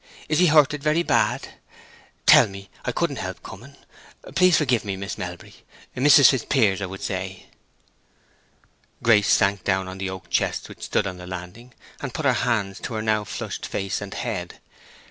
Is he hurted very bad? Tell me; I couldn't help coming; please forgive me, Miss Melbury—Mrs. Fitzpiers I would say!" Grace sank down on the oak chest which stood on the landing, and put her hands to her now flushed face and head.